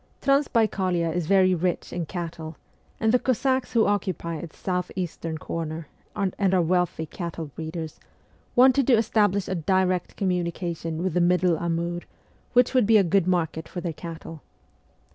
Transbaikalia is very rich in cattle, and the Cossacks who occupy its south eastern corner, and are wealthy cattle breeders, wanted to establish a direct com munication with the middle Amur, which would be a good market for their cattle.